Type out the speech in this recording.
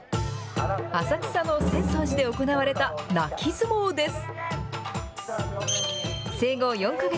浅草の浅草寺で行われた泣き相撲です。